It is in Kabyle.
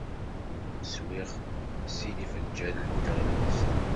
Swiɣ sin n yifenjalen n teɣlust.